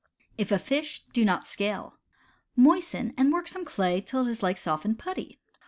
If a fish, do not scale. Moisten and work some clay till it is like softened putty.